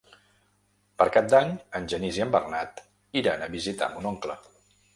Per Cap d'Any en Genís i en Bernat iran a visitar mon oncle.